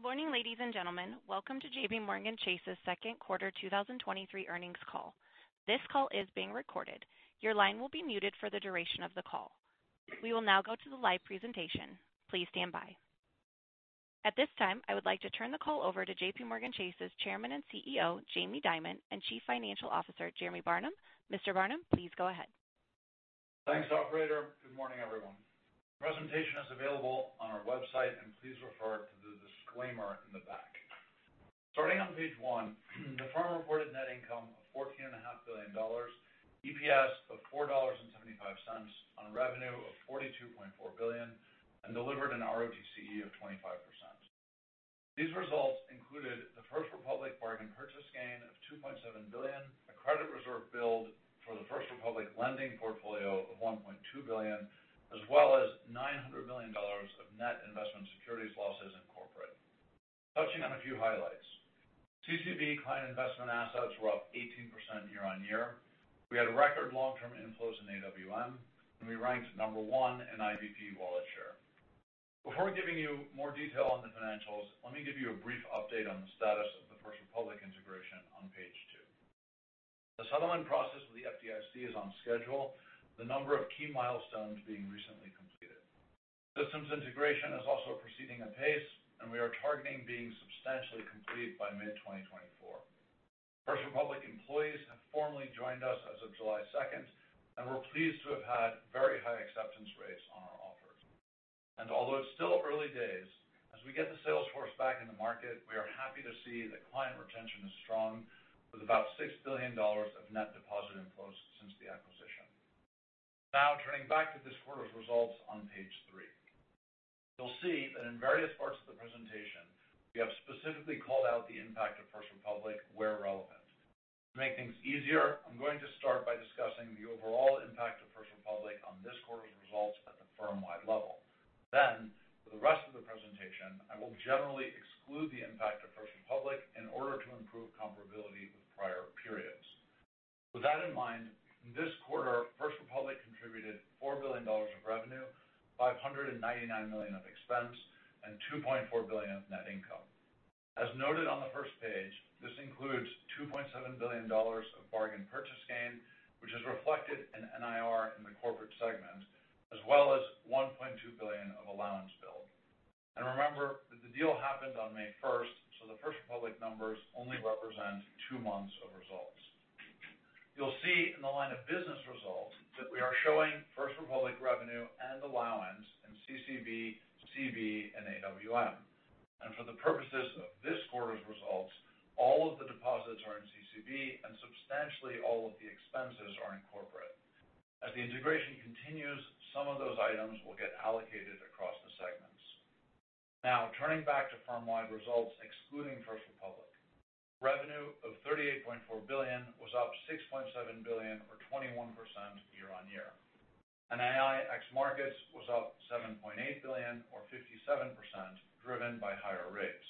Good morning, ladies and gentlemen. Welcome to JPMorgan Chase's second quarter 2023 earnings call. This call is being recorded. Your line will be muted for the duration of the call. We will now go to the live presentation. Please stand by. At this time, I would like to turn the call over to JPMorgan Chase's Chairman and CEO, Jamie Dimon, and Chief Financial Officer, Jeremy Barnum. Mr. Barnum, please go ahead. Thanks, operator. Good morning, everyone. The presentation is available on our website. Please refer to the disclaimer in the back. Starting on page one, the firm reported net income of $14.5 billion, EPS of $4.75 on revenue of $42.4 billion, delivered a ROTCE of 25%. These results included the First Republic bargain purchase gain of $2.7 billion, a credit reserve build for the First Republic lending portfolio of $1.2 billion, as well as $900 million of net investment securities losses in corporate. Touching on a few highlights. CCB client investment assets were up 18% year-over-year. We had record long-term inflows in AWM. We ranked number one in IB wallet share. Before giving you more detail on the financials, let me give you a brief update on the status of the First Republic integration on page two. The settlement process with the FDIC is on schedule, the number of key milestones being recently completed. Systems integration is also proceeding at pace. We are targeting being substantially complete by mid-2024. First Republic employees have formally joined us as of July 2. We're pleased to have had very high acceptance rates on our offers. Although it's still early days, as we get the sales force back in the market, we are happy to see that client retention is strong, with about $6 billion of net deposit inflows since the acquisition. Turning back to this quarter's results on page three. You'll see that in various parts of the presentation, we have specifically called out the impact of First Republic where relevant. To make things easier, I'm going to start by discussing the overall impact of First Republic on this quarter's results at the firm-wide level. For the rest of the presentation, I will generally exclude the impact of First Republic in order to improve comparability with prior periods. With that in mind, this quarter, First Republic contributed $4 billion of revenue, $599 million of expense, and $2.4 billion of net income. As noted on the first page, this includes $2.7 billion of bargain purchase gain, which is reflected in NIR in the corporate segment, as well as $1.2 billion of allowance build. Remember that the deal happened on May 1, the First Republic numbers only represent two months of results. You'll see in the line of business results that we are showing First Republic revenue and allowance in CCB, CB, and AWM. For the purposes of this quarter's results, all of the deposits are in CCB, and substantially all of the expenses are in corporate. As the integration continues, some of those items will get allocated across the segments. Now, turning back to firm-wide results, excluding First Republic. Revenue of $38.4 billion was up $6.7 billion or 21% year-over-year. NII ex markets was up $7.8 billion or 57%, driven by higher rates.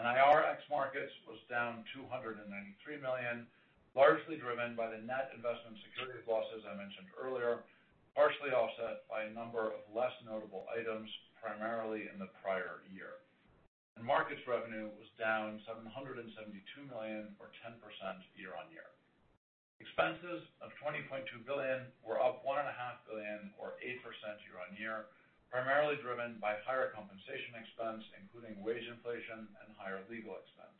NIR ex markets was down $293 million, largely driven by the net investment securities losses I mentioned earlier, partially offset by a number of less notable items, primarily in the prior year. Markets revenue was down $772 million or 10% year-on-year. Expenses of $20.2 billion were up $1.5 billion or 8% year-on-year, primarily driven by higher compensation expense, including wage inflation and higher legal expense.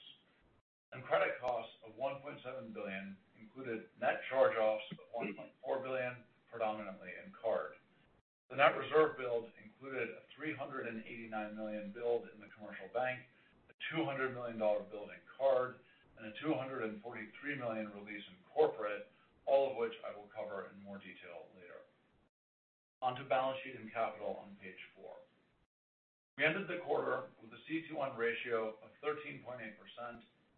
Credit costs of $1.7 billion included net charge-offs of $1.4 billion, predominantly in card. The net reserve build included a $389 million build in the commercial bank, a $200 million build in card, and a $243 million release in corporate, all of which I will cover in more detail later. On to balance sheet and capital on page four. We ended the quarter with a CET1 ratio of 13.8%,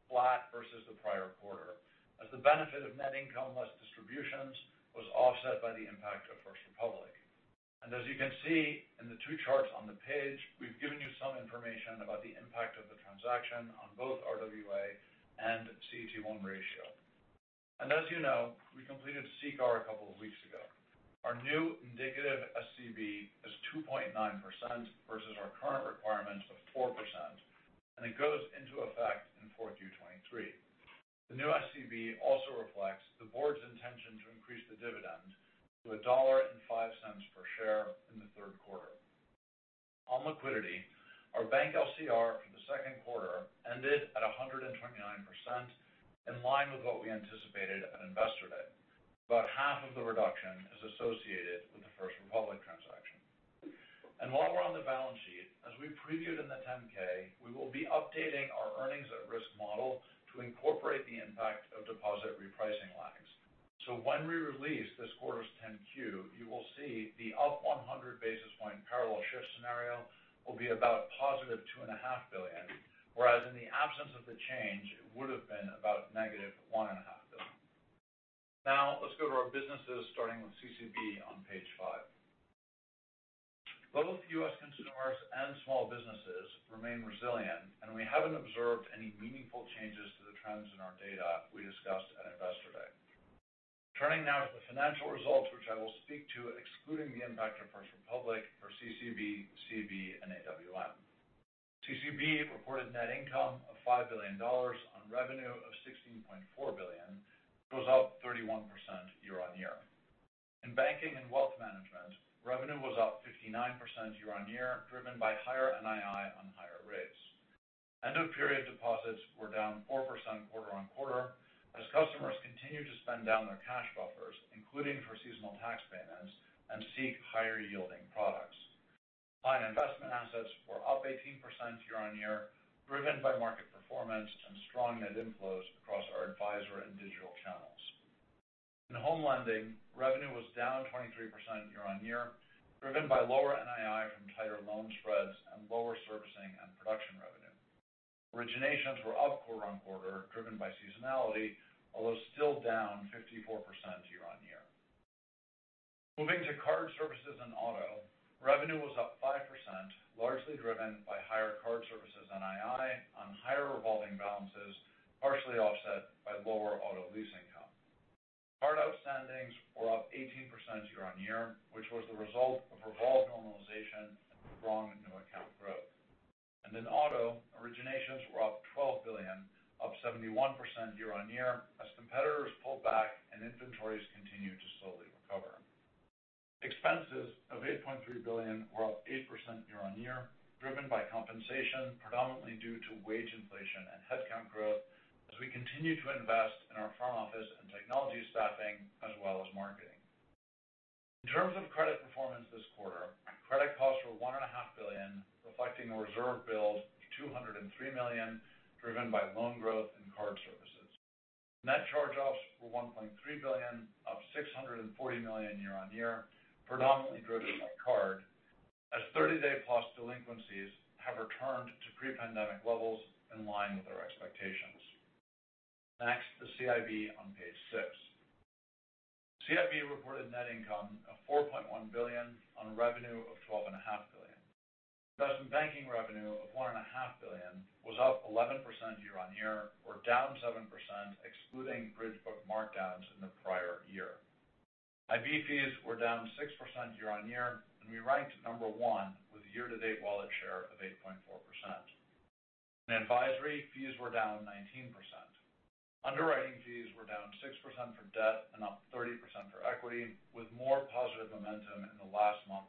flat versus the prior quarter, as the benefit of net income less distributions was offset by the impact of First Republic. As you can see in the two charts on the page, we've given you some information about the impact of the transaction on both RWA and CET1 ratio. As you know, we completed CCAR a couple of weeks ago. Our new negative SCB is 2.9% versus our current requirements of 4%, and it goes into effect in fourth Q 2023. The new SCB also reflects the board's intention to increase the dividend to $1.05 per share in the third quarter. On liquidity, our bank LCR for the second quarter ended at 129%, in line with what we anticipated at Investor Day. About half of the reduction is associated with the First Republic transaction. While we're on the balance sheet, as we previewed in the 10-K, we will be updating our earnings at risk model to incorporate the impact of deposit repricing lags. When we release this quarter's 10-Q, you will see the up 100 basis points parallel shift scenario will be about positive $2.5 billion, whereas in the absence of the change, it would have been about negative $1.5 billion. Let's go to our businesses, starting with CCB on page 5. Both U.S. consumers and small businesses remain resilient, and we haven't observed any meaningful changes to the trends in our data we discussed at Investor Day. Turning now to the financial results, which I will speak to, excluding the impact of First Republic or CCB, CIB, and AWM. CCB reported net income of $5 billion on revenue of $16.4 billion, which was up 31% year-on-year. In banking and wealth management, revenue was up 59% year-on-year, driven by higher NII on higher rates. End-of-period deposits were down 4% quarter-on-quarter, as customers continued to spend down their cash buffers, including for seasonal tax payments and seek higher yielding products. Client investment assets were up 18% year-on-year, driven by market performance and strong net inflows across our advisor and digital channels. In home lending, revenue was down 23% year-on-year, driven by lower NII from tighter loan spreads and lower servicing and production revenue. Originations were up quarter-on-quarter, driven by seasonality, although still down 54% year-on-year. Moving to card services and auto, revenue was up 5%, largely driven by higher card services NII on higher revolving balances, partially offset by lower auto lease income. Card outstandings were up 18% year-on-year, which was the result of revolved normalization and strong new account growth. In auto, originations were up $12 billion, up 71% year-on-year, as competitors pulled back and inventories continued to slowly recover. Expenses of $8.3 billion were up 8% year-on-year, driven by compensation, predominantly due to wage inflation and headcount growth, as we continue to invest in our front office and technology staffing, as well as marketing. In terms of credit performance this quarter, credit costs were $1.5 billion, reflecting a reserve build of $203 million, driven by loan growth and card services. Net charge-offs were $1.3 billion, up $640 million year-on-year, predominantly driven by card, as 30-day plus delinquencies have returned to pre-pandemic levels in line with our expectations. Next, the CIB on page 6. CIB reported net income of $4.1 billion on revenue of $12.5 billion. Investment Banking revenue of $1.5 billion was up 11% year-on-year or down 7%, excluding bridge book markdowns in the prior year. IB fees were down 6% year-on-year. We ranked number one with a year-to-date wallet share of 8.4%. In advisory, fees were down 19%. Underwriting fees were down 6% for debt and up 30% for equity, with more positive momentum in the last month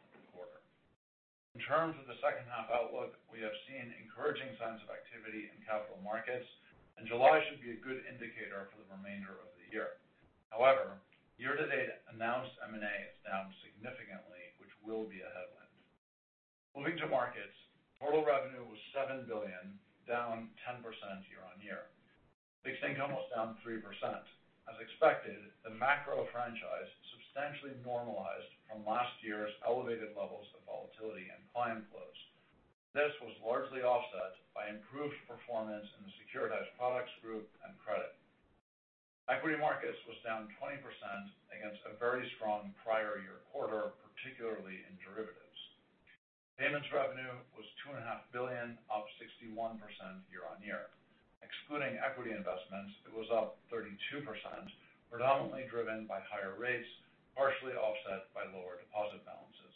of the quarter. In terms of the second half outlook, we have seen encouraging signs of activity in capital markets, July should be a good indicator for the remainder of the year. However, year-to-date announced M&A is down significantly, which will be a headwind. Moving to markets, total revenue was $7 billion, down 10% year-on-year. Fixed income was down 3%. As expected, the macro franchise substantially normalized from last year's elevated levels of volatility and client flows. This was largely offset by improved performance in the Securitized Products Group and credit. Equity markets was down 20% against a very strong prior year quarter, particularly in derivatives. Payments revenue was two and a half billion, up 61% year-on-year. Excluding equity investments, it was up 32%, predominantly driven by higher rates, partially offset by lower deposit balances.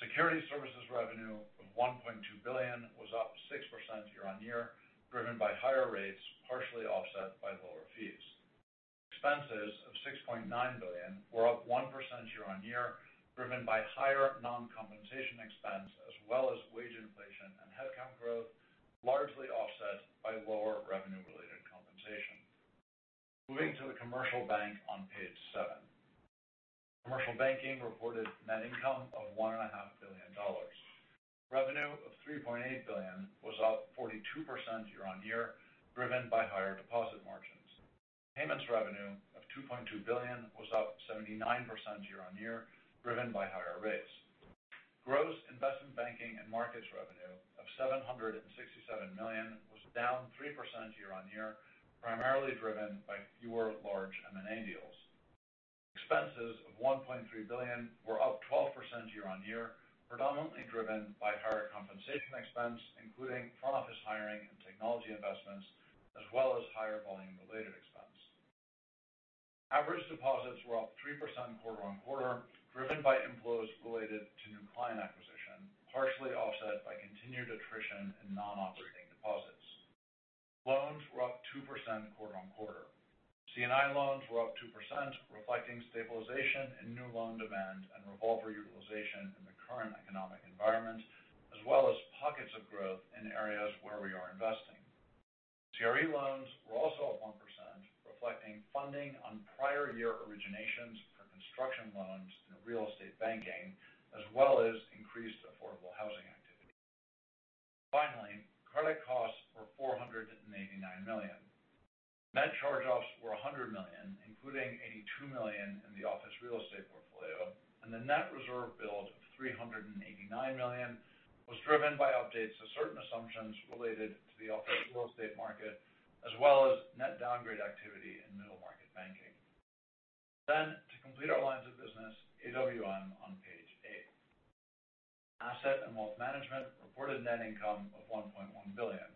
Security services revenue of $1.2 billion was up 6% year-on-year, driven by higher rates, partially offset by lower fees. Expenses of $6.9 billion were up 1% year-on-year, driven by higher non-compensation expense as well as wage inflation and headcount growth, largely offset by lower revenue-related compensation. Moving to the Commercial Banking on page 7. Commercial Banking reported net income of one and a half billion dollars. Revenue of $3.8 billion was up 42% year-on-year, driven by higher deposit margins. Payments revenue of $2.2 billion was up 79% year-on-year, driven by higher rates. Gross Investment Banking and markets revenue of $767 million was down 3% year-on-year, primarily driven by fewer large M&A deals. Expenses of $1.3 billion were up 12% year-on-year, predominantly driven by higher compensation expense, including front office hiring and technology investments, as well as higher volume-related expense. Average deposits were up 3% quarter-on-quarter, driven by inflows related to new client acquisition, partially offset by continued attrition in non-operating deposits. Loans were up 2% quarter-on-quarter. C&I loans were up 2%, reflecting stabilization in new loan demand and revolver utilization in the current economic environment, as well as pockets of growth in areas where we are investing. CRE loans were also up 1%, reflecting funding on prior year originations for construction loans in real estate banking, as well as increased affordable housing activity. Finally, credit costs were $489 million. Net charge-offs were $100 million, including $82 million in the office real estate portfolio. The net reserve build of $389 million was driven by updates to certain assumptions related to the office real estate market, as well as net downgrade activity in middle market banking. To complete our lines of business, AWM on page 8. Asset and Wealth Management reported net income of $1.1 billion,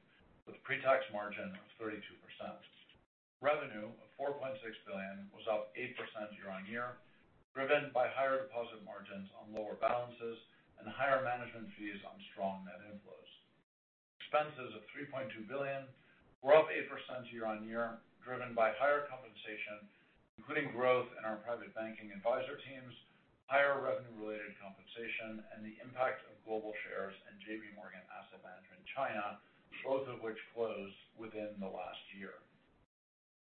with a pre-tax margin of 32%. Revenue of $4.6 billion was up 8% year-on-year, driven by higher deposit margins on lower balances and higher management fees on strong net inflows. Expenses of $3.2 billion were up 8% year-over-year, driven by higher compensation, including growth in our private banking advisor teams, higher revenue-related compensation, and the impact of Global Shares and JPMorgan Asset Management (China), both of which closed within the last year.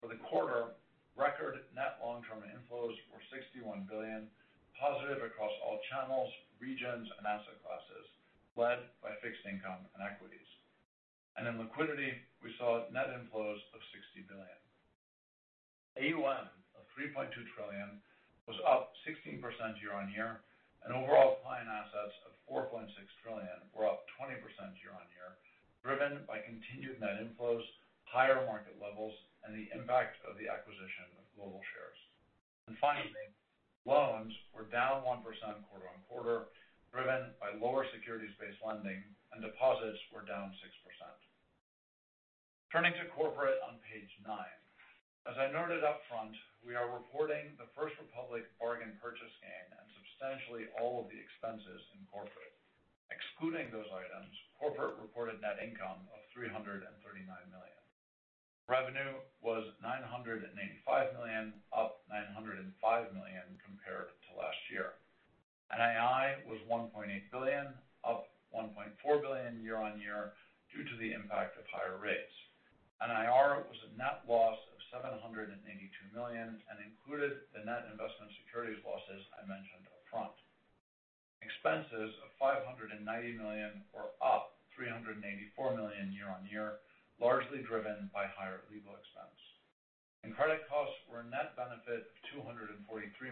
For the quarter, record net long-term inflows were $61 billion, positive across all channels, regions, and asset classes, led by fixed income and equities. In liquidity, we saw net inflows of $60 billion. AUM of $3.2 trillion was up 16% year-over-year. Overall client assets of $4.6 trillion were up 20% year-over-year, driven by continued net inflows, higher market levels, and the impact of the acquisition of Global Shares. Finally, loans were down 1% quarter-over-quarter, driven by lower securities-based lending, and deposits were down 6%. Turning to Corporate on page 9. As I noted upfront, we are reporting the First Republic bargain purchase gain and substantially all of the expenses in corporate. Excluding those items, corporate reported net income of $339 million. Revenue was $985 million, up $905 million compared to last year. NII was $1.8 billion, up $1.4 billion year-on-year due to the impact of higher rates. NIR was a net loss of $782 million, and included the net investment securities losses I mentioned upfront. Expenses of $590 million were up $384 million year-on-year, largely driven by higher legal expense. Credit costs were a net benefit of $243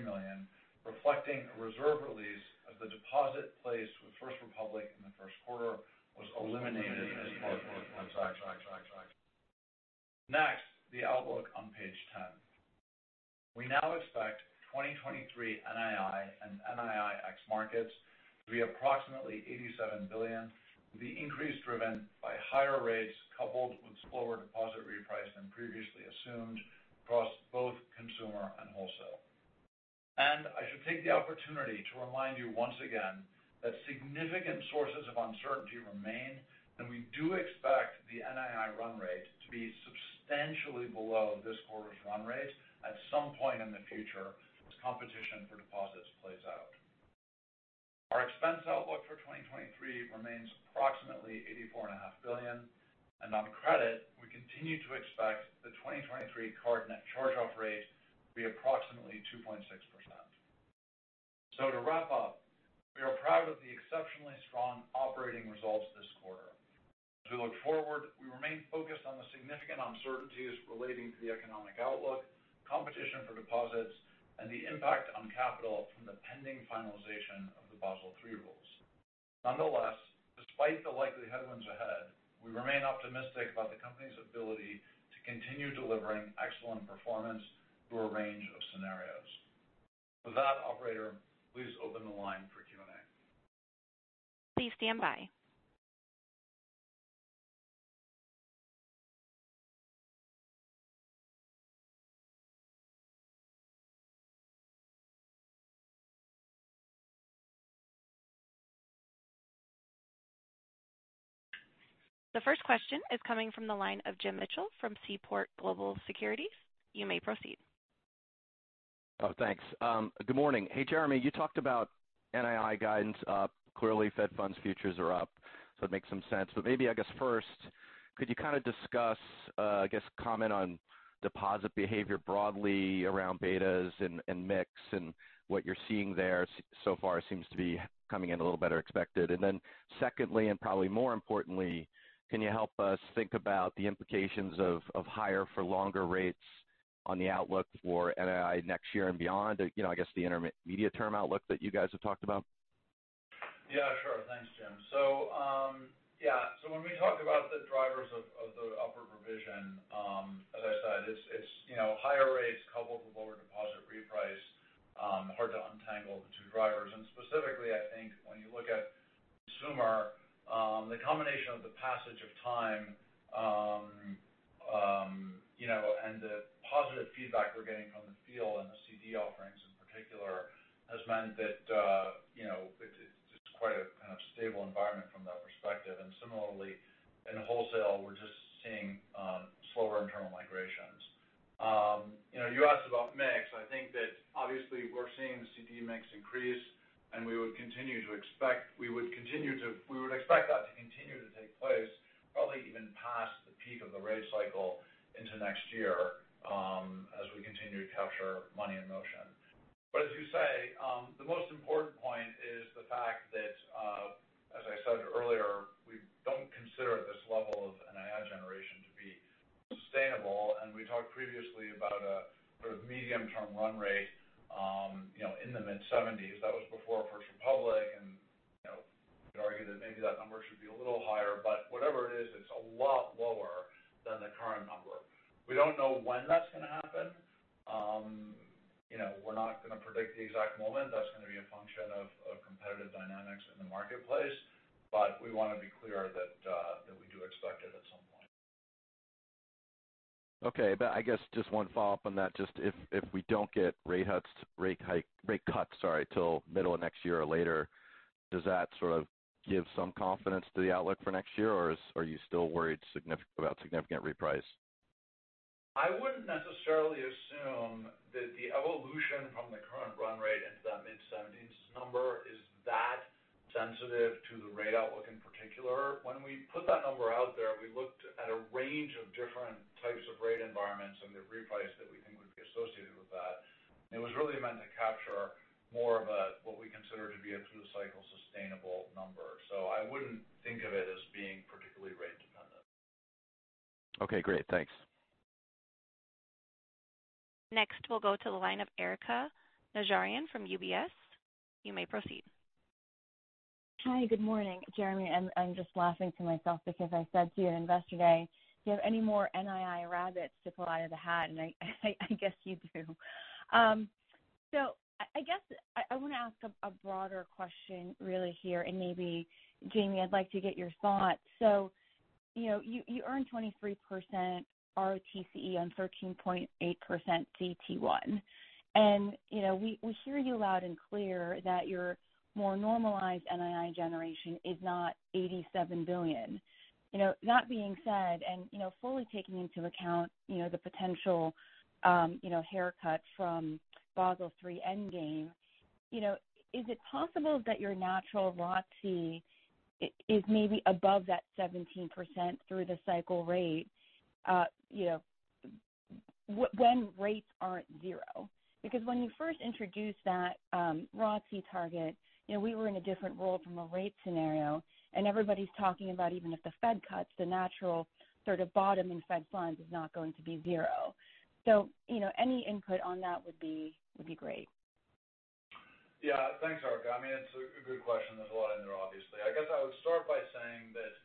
million, reflecting a reserve release as the deposit placed with First Republic in the first quarter was eliminated as part of the transaction. The outlook on page 10. We now expect 2023 NII and NII ex markets to be approximately $87 billion. The increase driven by higher rates, coupled with slower deposit reprice than previously assumed across both consumer and wholesale. I should take the opportunity to remind you once again that significant sources of uncertainty remain, and we do expect the NII run rate to be substantially below this quarter's run rate at some point in the future, as competition for deposits plays out. Our expense outlook for 2023 remains approximately $84.5 billion. On credit, we continue to expect the 2023 card net charge-off rate to be approximately 2.6%. To wrap up, we are proud of the exceptionally strong operating results this quarter. As we look forward, we remain focused on the significant uncertainties relating to the economic outlook, competition for deposits, and the impact on capital from the pending finalization of the Basel III rules. Nonetheless, despite the likely headwinds ahead, we remain optimistic about the company's ability to continue delivering excellent performance through a range of scenarios. With that, operator, please open the line for Q&A. Please stand by. The first question is coming from the line of Jim Mitchell from Seaport Global Securities. You may proceed. Oh, thanks. Good morning. Hey, Jeremy, you talked about NII guidance up. Clearly, Fed Funds futures are up, so it makes some sense. Maybe, I guess, first, could you kind of discuss, I guess, comment on deposit behavior broadly around betas and mix and what you're seeing there so far seems to be coming in a little better expected? Then secondly, and probably more importantly, can you help us think about the implications of higher for longer rates on the outlook for NII next year and beyond? You know, I guess the intermediate-term outlook that you guys have talked about. Yeah, sure. Thanks, Jim. When we talked about the drivers of the upward revision, as I said, it's, you know, higher rates coupled with lower deposit reprice, hard to untangle the two drivers. Specifically, I think when you look at consumer, the combination of the passage of time, you know, and the positive feedback we're getting from the field and the CD offerings in particular, has meant that, you know, it's just quite a kind of stable environment from that perspective. Similarly, in wholesale, we're just seeing slower internal migrations. You know, you asked about mix. I think that obviously we're seeing the CD mix increase, and we would continue to expect. We would expect that to continue to take place, probably even past the peak of the rate cycle into next year, as we continue to capture money in motion. As you say, the most important sensitive to the rate outlook in particular. When we put that number out there, we looked at a range of different types of rate environments and the reprice that we think would be associated with that. It was really meant to capture more of a, what we consider to be a through-cycle sustainable number. I wouldn't think of it as being particularly rate dependent. Okay, great. Thanks. Next, we'll go to the line of Erika Najarian from UBS. You may proceed. Hi, good morning, Jeremy. I'm just laughing to myself because I said to you in Investor Day, "Do you have any more NII rabbits to pull out of the hat?" I guess you do. I guess I want to ask a broader question really here, and maybe, Jamie, I'd like to get your thoughts. You know, you earned 23% ROTCE on 13.8% CET1. You know, we hear you loud and clear that your more normalized NII generation is not $87 billion. You know, that being said, and you know, fully taking into account, you know, the potential, you know, haircut from Basel III endgame, you know, is it possible that your natural ROTCE is maybe above that 17% through the cycle rate, when rates aren't zero? When you first introduced that, ROTCE target, you know, we were in a different world from a rate scenario, and everybody's talking about even if the Fed cuts, the natural sort of bottom in Fed funds is not going to be zero. You know, any input on that would be great. Yeah. Thanks, Erika. I mean, it's a good question. There's a lot in there, obviously. I guess I would start by saying that,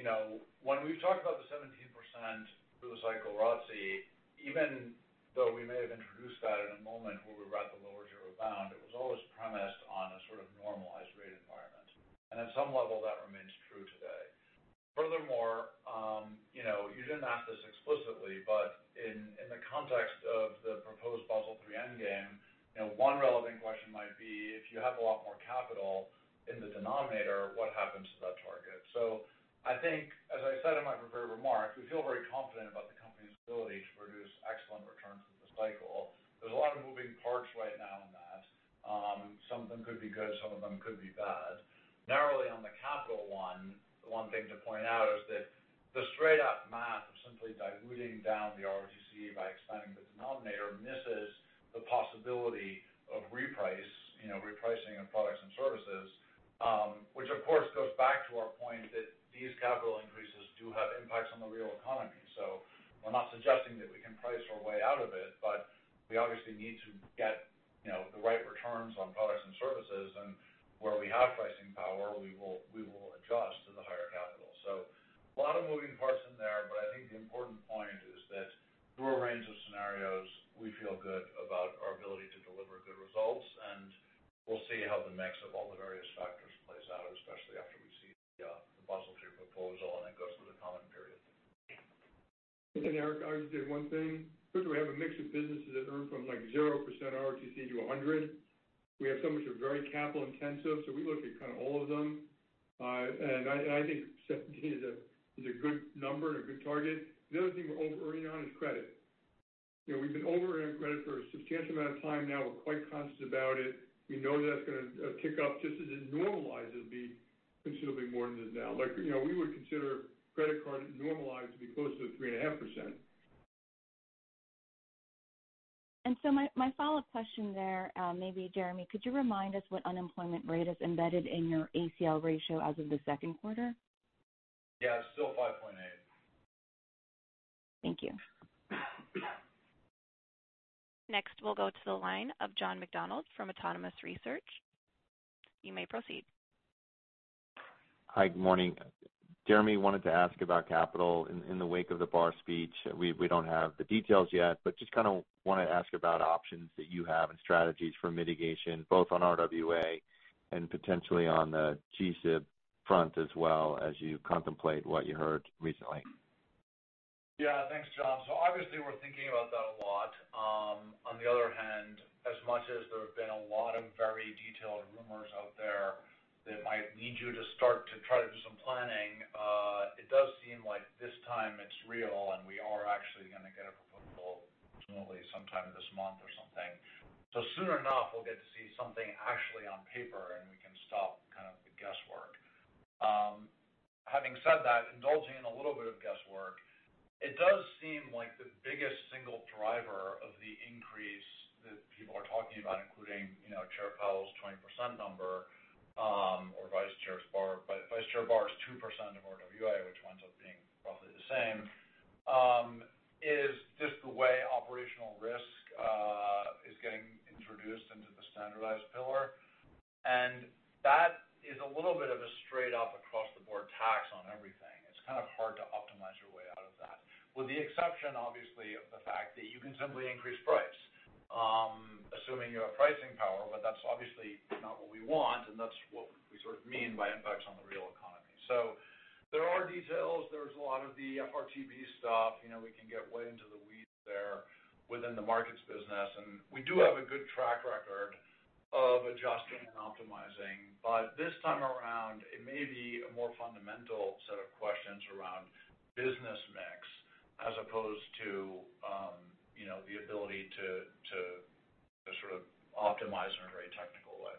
you know, when we've talked about the 17% through the cycle ROTCE, even though we may have introduced that in a moment where we were at the lower zero bound, it was always premised on a sort of normalized rate environment. At some level, that remains true today. Furthermore, you know, you didn't ask this explicitly, but in the context of the proposed Basel III endgame, you know, one relevant question might be: If you have a lot more capital in the denominator, what happens to that target? I think, as I said in my prepared remarks, we feel very confident about the company's ability to produce excellent returns through the cycle. There's a lot of moving parts right now in that. Some of them could be good, some of them could be bad. Narrowly on the capital one thing to point out is that the straight-up math of simply diluting down the ROTCE by expanding the denominator misses the possibility of reprice, you know, repricing of products and services, which, of course, goes back to our point that these capital increases do have impacts on the real economy. We're not suggesting that we can price our way out of it, but we obviously need to get, you know, the right returns on products and services, and where we have pricing power, we will adjust to the higher capital. A lot of moving parts in there, but I think the important point is that through a range of scenarios, we feel good about our ability to deliver good results, and we'll see how the mix of all the various factors plays out, especially after we see the Basel III proposal, and it goes through the comment period. Erika, I would just add one thing. First, we have a mix of businesses that earn from like 0% ROTCE to 100%. We have some which are very capital intensive, so we look at kind of all of them. I think 17 is a good number and a good target. The other thing we're overearning on is credit. You know, we've been overearning on credit for a substantial amount of time now. We're quite conscious about it. We know that's going to tick up. Just as it normalizes, it'll be considerably more than it is now. Like, you know, we would consider credit card normalized to be close to 3.5%. My follow-up question there, maybe, Jeremy, could you remind us what unemployment rate is embedded in your ACL ratio as of the second quarter? Yeah, it's still 5.8%. Thank you. Next, we'll go to the line of John McDonald from Autonomous Research. You may proceed. Hi, good morning. Jeremy, wanted to ask about capital in the wake of the Barr speech. We don't have the details yet, just kind of want to ask about options that you have and strategies for mitigation, both on RWA and potentially on the GSIB front as well, as you contemplate what you heard recently. Yeah. Thanks, John. Obviously, we're thinking about that a lot. On the other hand, as much as there have been a lot of very detailed rumors out there that might need you to start to try to do some planning, it does seem like this time it's real, and we are actually going to get a proposal ultimately sometime this month or something. Sooner enough, we'll get to see something actually on paper, and we can stop kind of the guesswork. Having said that, indulging in a little bit of guesswork, it does seem like the biggest single driver of the increase that people are talking about, including, you know, Chair Powell's 20% number, or Vice Chair Barr's 2% of RWA, which winds up being roughly the same, is just the way operational risk is getting introduced into the standardized pillar. That is a little bit of a straight up across the board tax on everything. It's kind of hard to optimize your way out of that, with the exception, obviously, of the fact that you can simply increase price, assuming you have pricing power. That's obviously not what we want, and that's what we sort of mean by impacts on the real economy. There are details. There's a lot of the FRTB stuff. You know, we can get way into the weeds there within the markets business, we do have a good track record of adjusting and optimizing. This time around, it may be a more fundamental set of questions around business mix as opposed to, you know, the ability to sort of optimize in a very technical way.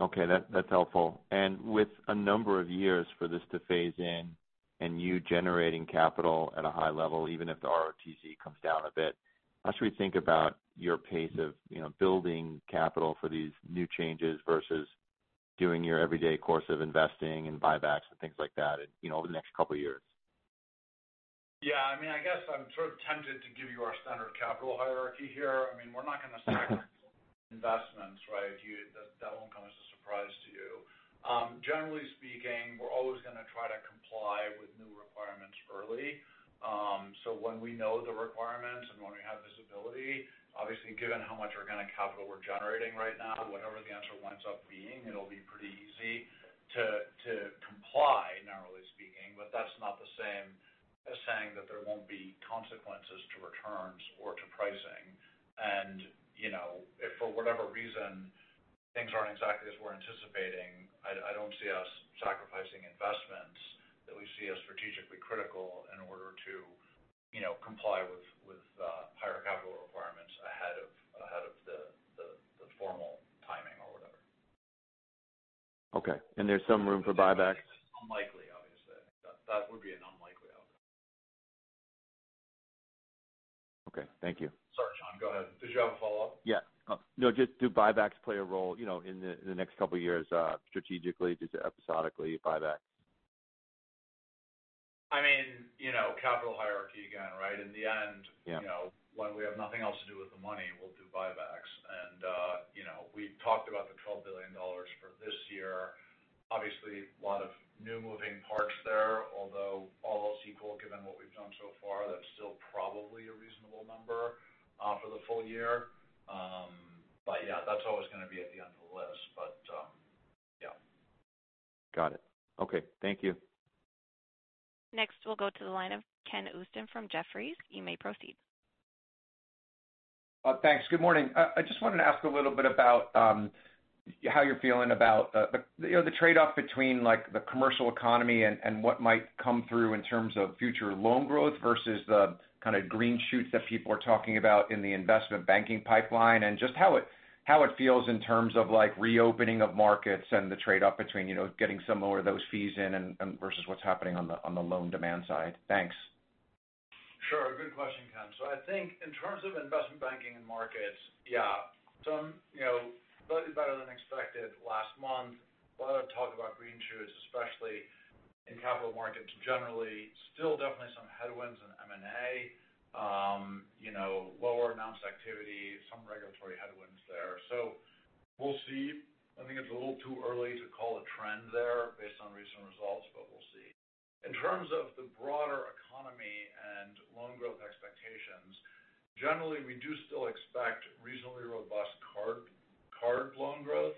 Okay, that's helpful. With a number of years for this to phase in and you generating capital at a high level, even if the ROTC comes down a bit, how should we think about your pace of, you know, building capital for these new changes versus doing your everyday course of investing and buybacks and things like that, you know, over the next couple of years? Yeah, I mean, I guess I'm sort of tempted to give you our standard capital hierarchy here. I mean, we're not going to sacrifice investments, right? That won't come as a surprise to you. Generally speaking, we're always going to try to comply with new requirements early. When we know the requirements and when we have visibility, obviously, given how much organic capital we're generating right now, whatever the answer winds up being, it'll be pretty easy to comply, narrowly speaking. That's not the same as saying that there won't be consequences to returns or to pricing. You know, if for whatever reason, things aren't exactly as we're anticipating, I don't see us sacrificing investments that we see as strategically critical in order to, you know, comply with higher capital requirements ahead of the formal timing or whatever. Okay, there's some room for buybacks? Unlikely, obviously. That would be an unlikely outcome. Okay, thank you. Sorry, John, go ahead. Did you have a follow-up? Yeah. No, just do buybacks play a role, you know, in the next couple of years, strategically, just episodically, buybacks? I mean, you know, capital hierarchy again, right? In the end you know, when we have nothing else to do with the money, we'll do buybacks. You know, we talked about the $12 billion for this year. Obviously, a lot of new moving parts there, although all else equal, given what we've done so far, that's still probably a reasonable number for the full year. Yeah, that's always going to be at the end of the list, but yeah. Got it. Okay. Thank you. Next, we'll go to the line of Ken Usdin from Jefferies. You may proceed. Thanks. Good morning. I just wanted to ask a little bit about, how you're feeling about, the, you know, the trade-off between like, the commercial economy and what might come through in terms of future loan growth versus the kind of green shoots that people are talking about in the investment banking pipeline, and just how it feels in terms of like, reopening of markets and the trade-off between, you know, getting some more of those fees in and versus what's happening on the loan demand side. Thanks. Sure. Good question, Ken. I think in terms of Investment Banking and markets, yeah, some, you know, slightly better than expected last month. A lot of talk about green shoots, especially in capital markets, generally. Still definitely some headwinds in M&A, you know, lower amounts of activity, some regulatory headwinds there. We'll see. I think it's a little too early to call a trend there based on recent results, but we'll see. In terms of the broader economy and loan growth expectations, generally, we do still expect reasonably robust card loan growth.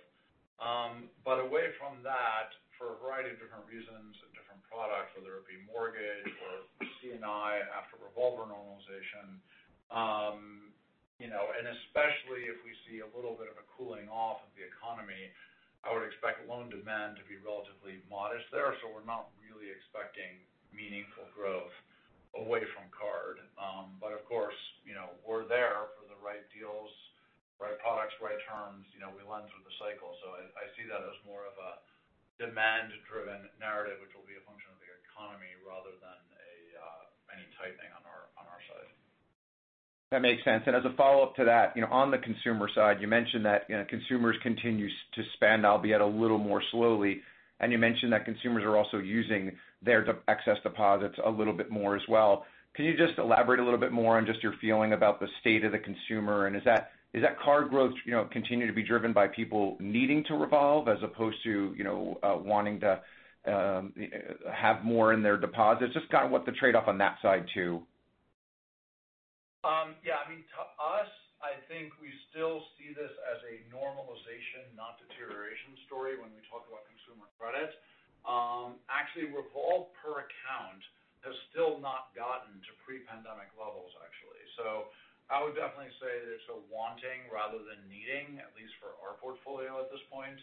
Away from that, for a variety of different reasons and different products, whether it be mortgage or C&I after revolver normalization, you know, and especially if we see a little bit of a cooling off of the economy, I would expect loan demand to be relatively modest there. We're not really expecting meaningful growth away from card. Of course, you know, we're there for the right deals, right products, right terms. You know, we lend through the cycle. I see that as more of a demand-driven narrative, which will be a function of the economy rather than any tightening on our side. That makes sense. As a follow-up to that, you know, on the consumer side, you mentioned that, you know, consumers continue to spend, albeit a little more slowly, and you mentioned that consumers are also using their excess deposits a little bit more as well. Can you just elaborate a little bit more on just your feeling about the state of the consumer? Is that, is that card growth, you know, continue to be driven by people needing to revolve as opposed to, you know, wanting to have more in their deposits? Just kind of what the trade-off on that side, too? Yeah, I mean, to us, I think we still see this as a normalization, not deterioration story, when we talk about consumer credit. Actually, revolve per account has still not gotten to pre-pandemic levels, actually. I would definitely say there's a wanting rather than needing, at least for our portfolio at this point.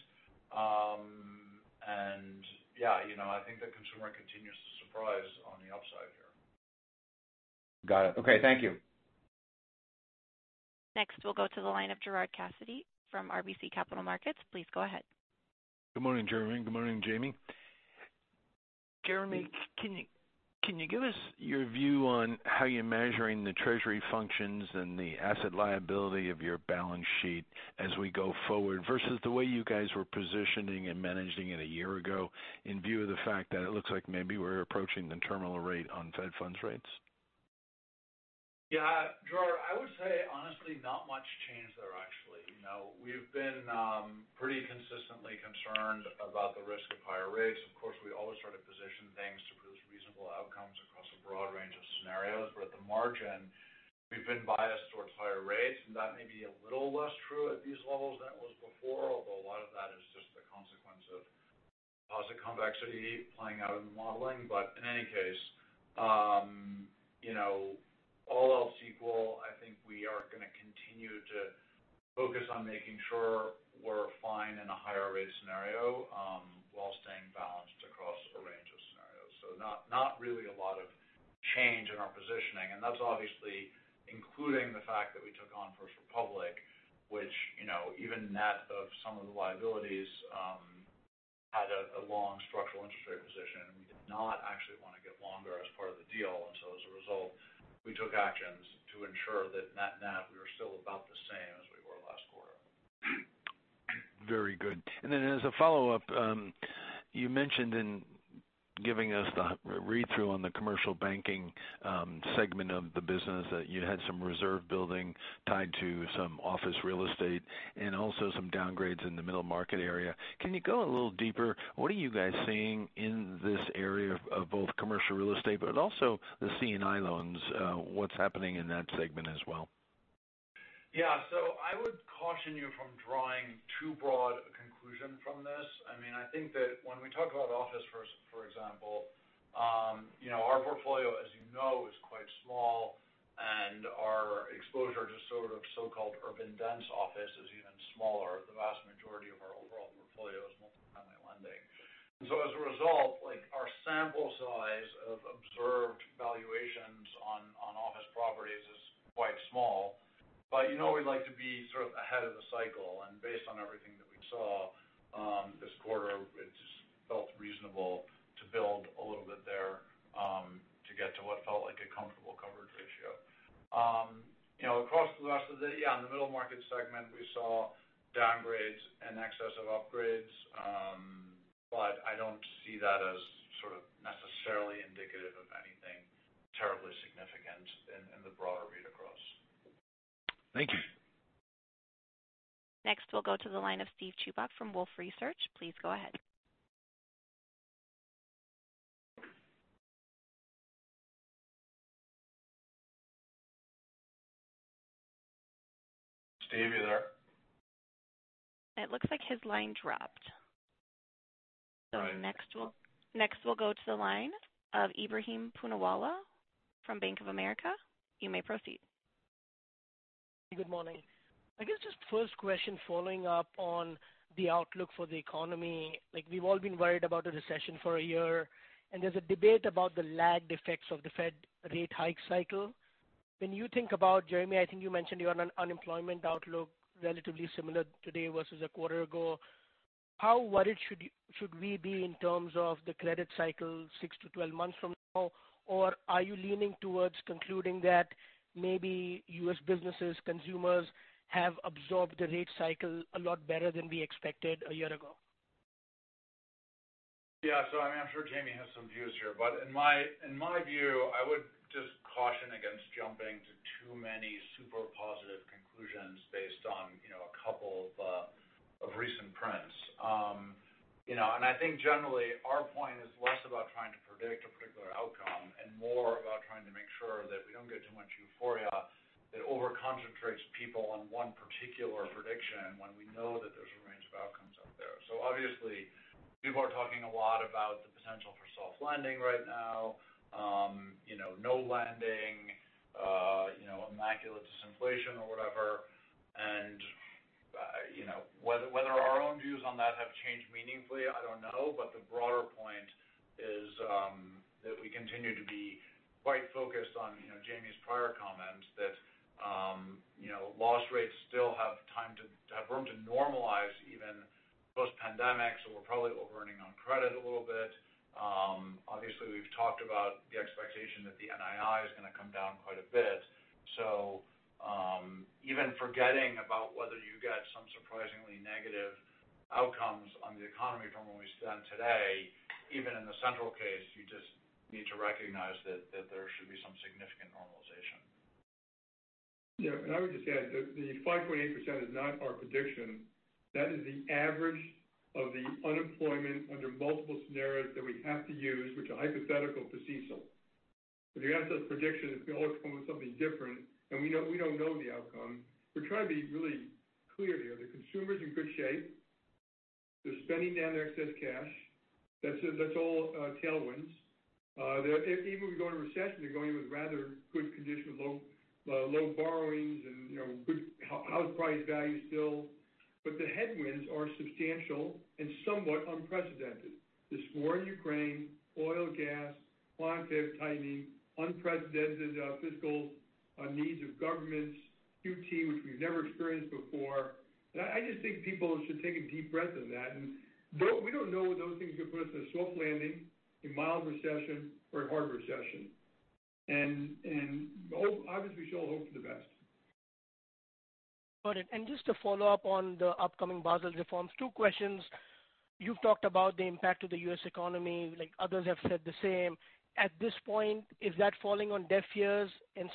Yeah, you know, I think the consumer continues to surprise on the upside here. Got it. Okay. Thank you. Next, we'll go to the line of Gerard Cassidy from RBC Capital Markets. Please go ahead. Good morning, Jeremy. Good morning, Jamie. Jeremy, can you give us your view on how you're measuring the Treasury functions and the asset liability of your balance sheet as we go forward versus the way you guys were positioning and managing it a year ago, in view of the fact that it looks like maybe we're approaching the terminal rate on Fed funds rates? Gerard, I would say honestly, not much change there, actually. You know, we've been pretty consistently concerned about the risk of higher rates. Of course, we always try to position things to produce reasonable outcomes across a broad range of scenarios, but at the margin, we've been biased towards higher rates, and that may be a little less true at these levels than it was before, although a lot of that is just the consequence of positive convexity playing out in the modeling. In any case, you know, all else equal, I think we are going to continue to focus on making sure we're fine in a higher rate scenario, while staying balanced across a range of scenarios. Not really a lot of change in our positioning, and that's obviously including the fact that we took on First Republic, which, you know, even net of some of the liabilities, had a long structural interest rate position, and we did not actually want to get longer as part of the deal. As a result, we took actions to ensure that net-net, we were still about the same as we were last quarter. Very good. As a follow-up, you mentioned in giving us the read-through on the commercial banking, segment of the business, that you had some reserve building tied to some office real estate and also some downgrades in the middle market area. Can you go a little deeper? What are you guys seeing in this area of both commercial real estate, but also the C&I loans? What's happening in that segment as well? I would caution you from drawing too broad a conclusion from this. I mean, I think that when we talk about office, for example, you know, our portfolio, as you know, is quite small, and our exposure to sort of so-called urban dense office is even smaller. The vast majority of our overall portfolio is multifamily lending. As a result, like, our sample size of observed valuations on office properties is quite small. You know, we'd like to be sort of ahead of the cycle, and based on everything that we saw, this quarter, it just felt reasonable to build a little bit there, to get to what felt like a comfortable coverage ratio. You know, across the rest of the in the middle market segment, we saw downgrades in excess of upgrades, but I don't see that as sort of necessarily indicative of anything terribly significant in the broader read across. Thank you. Next, we'll go to the line of Steve Chubak from Wolfe Research. Please go ahead. Steve, are you there? It looks like his line dropped. All right. Next, we'll go to the line of Ebrahim Poonawala from Bank of America. You may proceed. Good morning. I guess just first question, following up on the outlook for the economy. Like, we've all been worried about a recession for one year, and there's a debate about the lagged effects of the Fed rate hike cycle. When you think about Jeremy, I think you mentioned you're on an unemployment outlook relatively similar today versus one quarter ago. How worried should we be in terms of the credit cycle six to 12 months from now? Are you leaning towards concluding that maybe U.S. businesses, consumers, have absorbed the rate cycle a lot better than we expected one year ago? Yeah. I mean, I'm sure Jamie has some views here, but in my view, I would just caution against jumping to too many super positive conclusions based on, you know, a couple of recent prints. You know, I think generally our point is less about trying to predict a particular outcome and more about trying to make sure that we don't get too much euphoria that over-concentrates people on one particular prediction when we know that there's a range of outcomes out there. Obviously, people are talking a lot about the potential for soft landing right now, you know, no landing, you know, immaculate disinflation or whatever. You know, whether our own views on that have changed meaningfully, I don't know. The broader point is that we continue to be quite focused on, you know, Jamie's prior comment that, you know, loss rates still have room to normalize even post-pandemic, so we're probably overearning on credit a little bit. Obviously, we've talked about the expectation that the NII is going to come down quite a bit. Even forgetting about whether you get some surprisingly negative outcomes on the economy from where we stand today, even in the central case, you just need to recognize that there should be some significant normalization. Yeah, I would just add that the 5.8% is not our prediction. That is the average of the unemployment under multiple scenarios that we have to use, which are hypothetical for CECL. If you ask us prediction, it's always come with something different, we don't know the outcome. We're trying to be really clear here. The consumer's in good shape. They're spending down their excess cash. That's all tailwinds. If even we go into a recession, they're going in with rather good condition of low, low borrowings and, you know, good house price value still. The headwinds are substantial and somewhat unprecedented. There's war in Ukraine, oil, gas, quantitative tightening, unprecedented fiscal needs of governments, QT, which we've never experienced before. I just think people should take a deep breath on that, we don't know whether those things could put us in a soft landing, a mild recession, or a hard recession. Hope, obviously, we all hope for the best. Got it. Just to follow up on the upcoming Basel reforms, two questions. You've talked about the impact of the U.S. economy, like others have said the same. At this point, is that falling on deaf ears?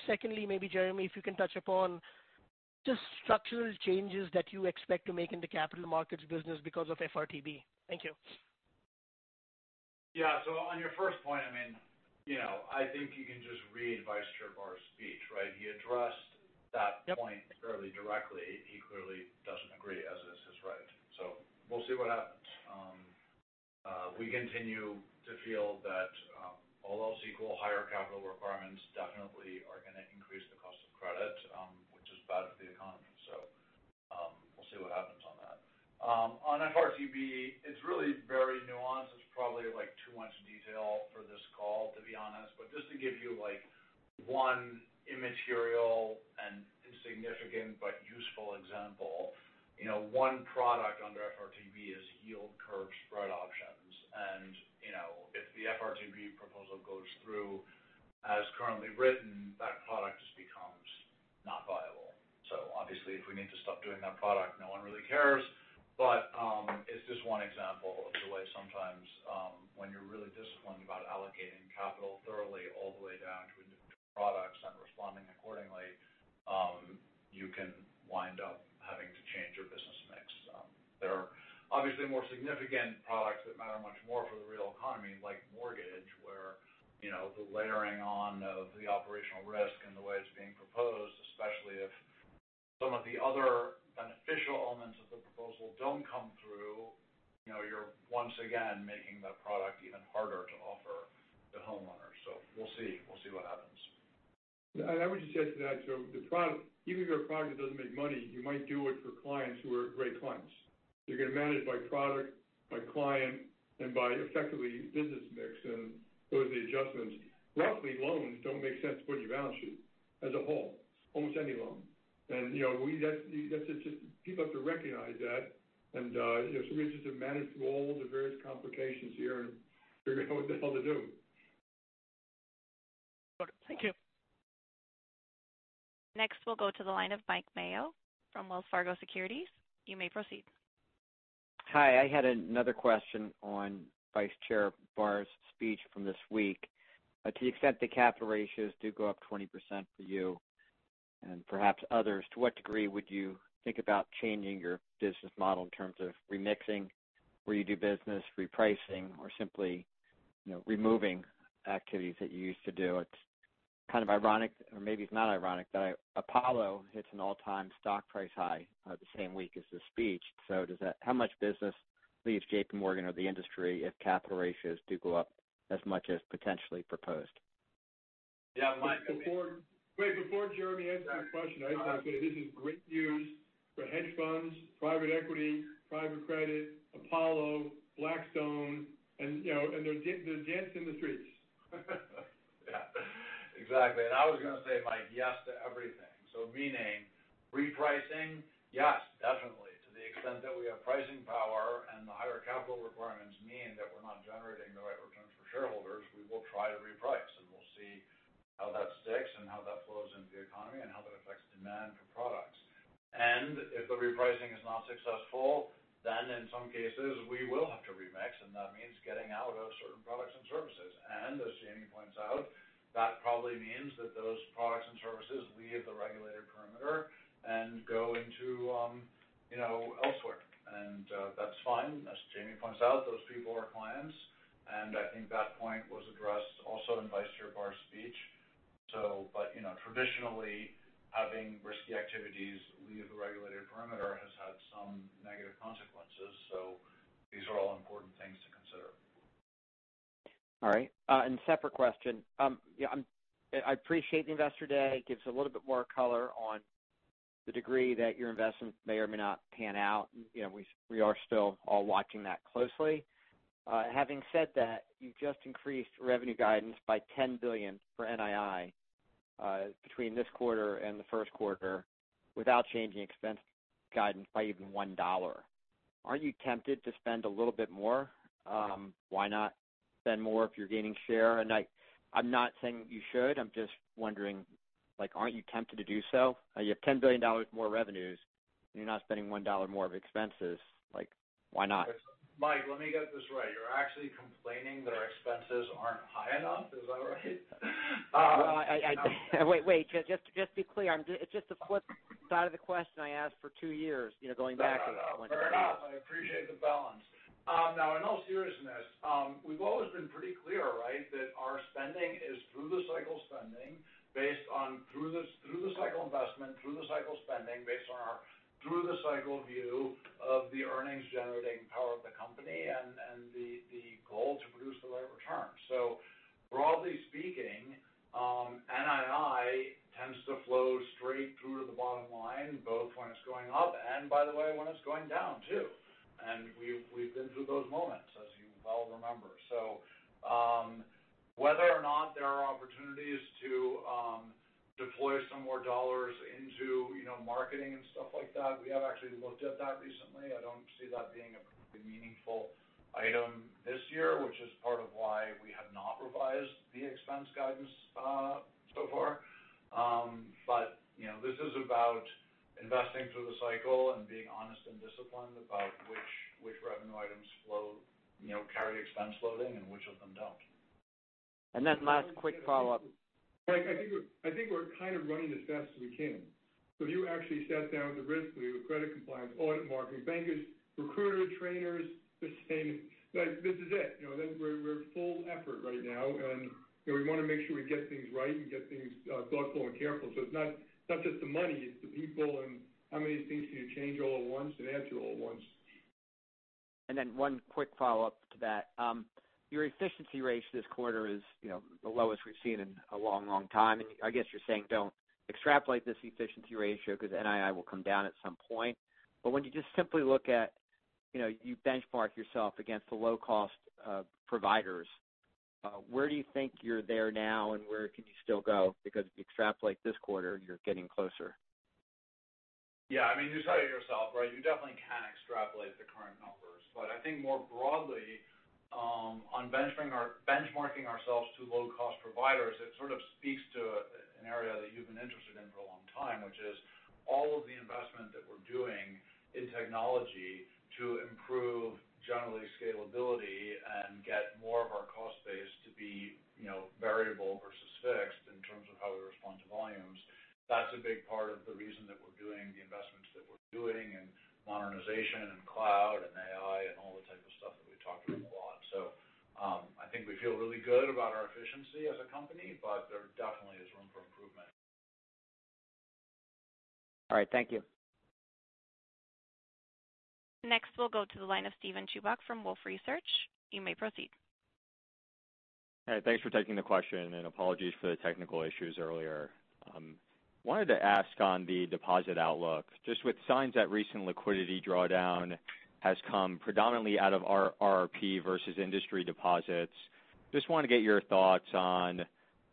Secondly, maybe, Jeremy, if you can touch upon just structural changes that you expect to make in the capital markets business because of FRTB. Thank you. On your first point, I mean, you know, I think you can just read Vice Chair Barr's speech, right? He addressed that point fairly directly. He clearly doesn't agree, as is his right. We'll see what happens. We continue to feel that all else equal, higher capital requirements definitely are gonna increase the cost of credit, which is bad for the economy. We'll see what happens on that. On FRTB, it's really very nuanced. It's probably, like, too much detail for this call, to be honest. Just to give you, like, one immaterial and insignificant but useful example, you know, one product under FRTB is yield curve spread options. If the FRTB proposal goes through as currently written, that product just becomes not viable. Obviously, if we need to stop doing that product, no one really cares. It's just one example of the way sometimes, when you're really disciplined about allocating capital thoroughly all the way down to individual products and responding accordingly, you can wind up having to change your business mix. There are obviously more significant products that matter much more for the real economy, like mortgage, where, you know, the layering on of the operational risk and the way it's being proposed, especially if some of the other beneficial elements of the proposal don't come through, you know, you're once again making that product even harder to offer to homeowners. We'll see. We'll see what happens. I would just add to that, so the product, even if your product doesn't make money, you might do it for clients who are great clients. You're going to manage by product, by client, and by effectively business mix, and those are the adjustments. Roughly, loans don't make sense for your balance sheet as a whole, almost any loan. You know, that's just people have to recognize that, you know, so we just have managed through all the various complications here and figure out what the hell to do. Thank you. Next, we'll go to the line of Mike Mayo from Wells Fargo Securities. You may proceed. Hi, I had another question on Vice Chair Barr's speech from this week. To the extent the capital ratios do go up 20% for you and perhaps others, to what degree would you think about changing your business model in terms of remixing, where you do business, repricing, or simply, you know, removing activities that you used to do? It's kind of ironic, or maybe it's not ironic, but Apollo hits an all-time stock price high, the same week as the speech. How much business leaves JPMorgan or the industry if capital ratios do go up as much as potentially proposed? Yeah, Mike. Wait, before Jeremy answers the question, I just want to say this is great news for hedge funds, private equity, private credit, Apollo, Blackstone, and you know, and they're dancing in the streets. Yeah, exactly. I was going to say, Mike, yes to everything. Meaning repricing? Yes, definitely. To the extent that we have pricing power and the higher capital requirements mean that we're not generating the right returns for shareholders, we will try to reprice, and we'll see how that sticks and how that flows into the economy and how that affects demand for products. If the repricing is not successful, then in some cases, we will have to remix, and that means getting out of certain products and services. As Jamie points out, that probably means that those products and services leave the regulated perimeter and go into, you know, elsewhere. That's fine. As Jamie points out, those people are clients, and I think that point was addressed also in Vice Chair Barr's speech. You know, traditionally, having risky activities leave the regulated perimeter has had some negative consequences. These are all important things to consider. All right. And separate question. I appreciate the Investor Day. It gives a little bit more color on the degree that your investments may or may not pan out. You know, we are still all watching that closely. Having said that, you've just increased revenue guidance by $10 billion for NII, between this quarter and the first quarter without changing expense guidance by even $1. Aren't you tempted to spend a little bit more? Why not spend more if you're gaining share? And I'm not saying that you should, I'm just wondering, aren't you tempted to do so? You have $10 billion more revenues, and you're not spending $1 more of expenses. Why not? Mike, let me get this right. You're actually complaining that our expenses aren't high enough? Is that right? Well, I. Wait, just be clear. It's just the flip side of the question I asked for two years, you know, going back. Fair enough. I appreciate the balance. Now, in all seriousness, we've always been pretty clear, right, that our spending is through the cycle spending based on through the cycle investment, through the cycle spending, based on our through the cycle view of the earnings-generating power of the company and the goal to produce the right return. Broadly speaking, NII tends to flow straight through to the bottom line, both when it's going up and by the way, when it's going down, too. We've been through those moments, as you well remember. Whether or not there are opportunities to, deploy some more dollars into, you know, marketing and stuff like that, we have actually looked at that recently. I don't see that being a pretty meaningful item this year, which is part of why we have not revised the expense guidance, yet. You know, this is about investing through the cycle and being honest and disciplined about which revenue items flow, you know, carry expense loading and which of them don't. Last quick follow-up. Mike, I think we're kind of running as fast as we can. If you actually sat down with the risk, we have a credit compliance, audit, marketing, bankers, recruiters, trainers, the same. Like, this is it. You know, we're full effort right now, and, you know, we want to make sure we get things right and get things thoughtful and careful. It's not just the money, it's the people and how many things can you change all at once and answer all at once. 1 quick follow-up to that. Your efficiency ratio this quarter is, you know, the lowest we've seen in a long, long time. I guess you're saying don't extrapolate this efficiency ratio because NII will come down at some point. When you just simply look at, you know, you benchmark yourself against the low-cost providers, where do you think you're there now, and where can you still go? If you extrapolate this quarter, you're getting closer. Yeah, I mean, you said it yourself, right? You definitely can't extrapolate the current numbers. I think more broadly, on benchmarking ourselves to low-cost providers, it sort of speaks to an area that you've been interested in for a long time, which is all of the investment that we're doing in technology to improve generally scalability and get more of our cost base to be, you know, variable versus fixed in terms of how we respond to volumes. That's a big part of the reason that we're doing the investments that we're doing in modernization and cloud and AI and all the type of stuff that we've talked about a lot. I think we feel really good about our efficiency as a company, but there definitely is room for improvement. All right. Thank you. Next, we'll go to the line of Steven Chubak from Wolfe Research. You may proceed. Hi, thanks for taking the question, apologies for the technical issues earlier. Wanted to ask on the deposit outlook, just with signs that recent liquidity drawdown has come predominantly out of RRP versus industry deposits. Just want to get your thoughts on,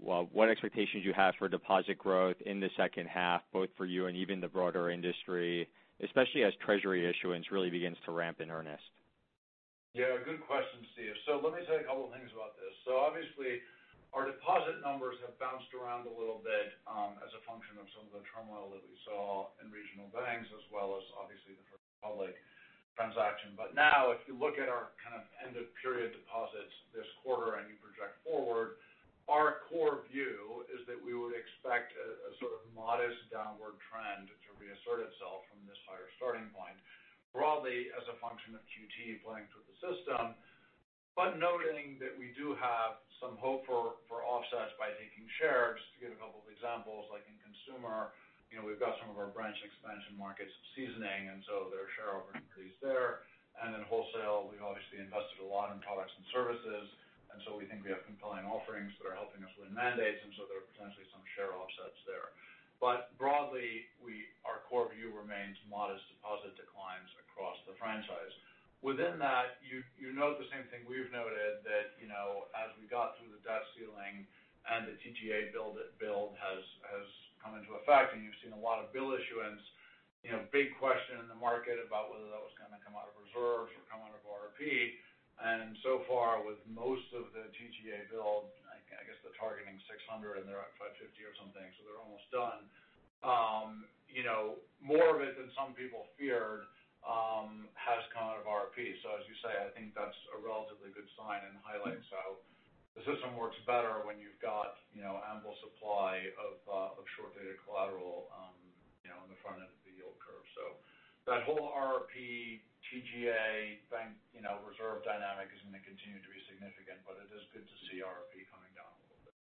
well, what expectations you have for deposit growth in the second half, both for you and even the broader industry, especially as Treasury issuance really begins to ramp in earnest. Yeah, good question, Steve. Let me say a couple of things about this. Obviously, our deposit numbers have bounced around a little bit, as a function of some of the turmoil that we saw in regional banks, as well as obviously the First Republic transaction. Now, if you look at our kind of end-of-period deposits this quarter and you project forward, our core view is that we would expect a sort of modest downward trend to reassert itself from this higher starting point, broadly as a function of QT playing through the system. Noting that we do have some hope for offsets by taking shares. To give a couple of examples, like in consumer, you know, we've got some of our branch expansion markets seasoning, and so there are share increases there. In wholesale, we obviously invested a lot in products and services, we think we have compelling offerings that are helping us win mandates, there are potentially some share offsets there. Broadly, our core view remains modest deposit declines across the franchise. Within that, you note the same thing we've noted that, you know, as we got through the debt ceiling and the TGA build, that build has come into effect, and you've seen a lot of bill issuance. You know, big question in the market about whether that was going to come out of reserves or come out of RRP. So far, with most of the TGA build, I guess, they're targeting 600, and they're at 550 or something, so they're almost done. you know, more of it than some people feared, has come out of RRP. As you say, I think that's a relatively good sign and highlights how the system works better when you've got, you know, ample supply of short-dated collateral, you know, on the front end of the yield curve. That whole RRP, TGA bank, you know, reserve dynamic is going to continue to be significant, but it is good to see RRP coming down a little bit.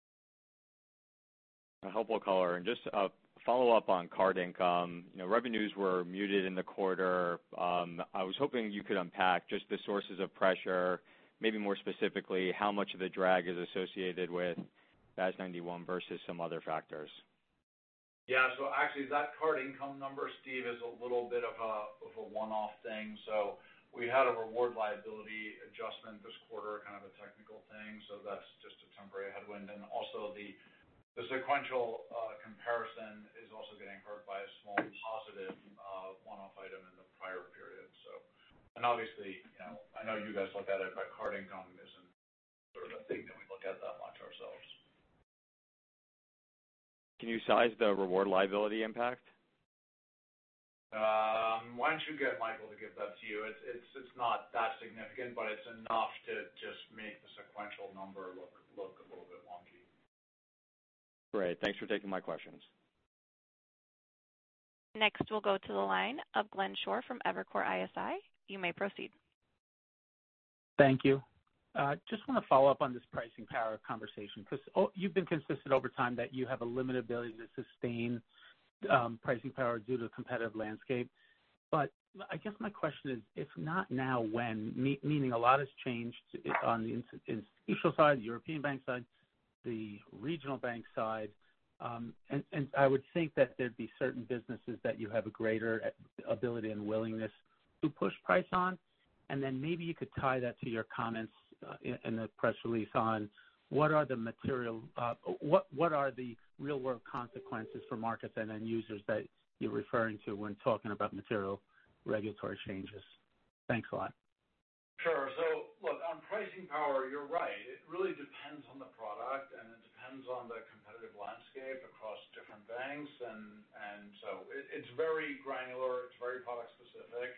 A helpful color. Just a follow-up on card income. You know, revenues were muted in the quarter. I was hoping you could unpack just the sources of pressure, maybe more specifically, how much of the drag is associated with FAS 91 versus some other factors. Yeah. Actually, that card income number, Steve, is a little bit of a one-off thing. We had a reward liability adjustment this quarter, kind of a technical thing, so that's just a temporary headwind. Also, the sequential comparison is also getting hurt by a small positive one-off item in the prior period. Obviously, you know, I know you guys look at it, but card income isn't sort of a thing that we look at that much ourselves. Can you size the reward liability impact? Why don't you get Michael to give that to you? It's not that significant, but it's enough to just make the sequential number look a little bit wonky. Great. Thanks for taking my questions. Next, we'll go to the line of Glenn Schorr from Evercore ISI. You may proceed. Thank you. Just want to follow up on this pricing power conversation, because you've been consistent over time that you have a limited ability to sustain pricing power due to the competitive landscape. I guess my question is, if not now, when? Meaning a lot has changed on the institutional side, European bank side, the regional bank side. I would think that there'd be certain businesses that you have a greater ability and willingness to push price on. Maybe you could tie that to your comments in the press release on what are the material, what are the real-world consequences for markets and end users that you're referring to when talking about material regulatory changes? Thanks a lot. Sure. So look, on pricing power, you're right. It really depends on the product, and it depends on the competitive landscape across different banks. So it's very granular, it's very product specific.